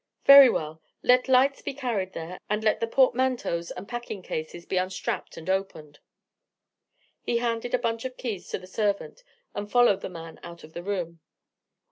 "Very well; let lights be carried there, and let the portmanteaus and packing cases be unstrapped and opened." He handed a bunch of keys to the servant, and followed the man out of the room.